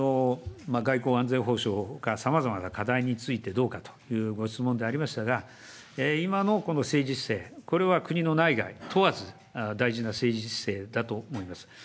外交安全保障ほか、さまざまな課題についてどうかというご質問でありましたが、今のこの政治姿勢、これは国の内外問わず大事な政治姿勢だと思います。